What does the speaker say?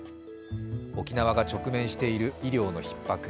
沖縄が直面している医療のひっ迫。